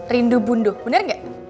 rindu bunduh bener gak